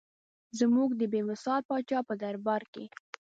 زموږ د بې مثال پاچا په دربار کې.